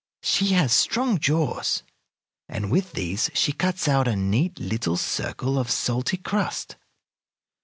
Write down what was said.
She has strong jaws, and with these she cuts out a neat little circle of salty crust.